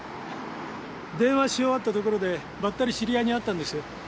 電話し終わったところでばったり知り合いに会ったんですよ。